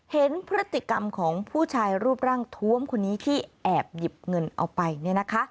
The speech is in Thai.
เห็นพฤติกรรมของผู้ชายรูปร่างทวมคนนี้ที่แอบหยิบเงินเอาไป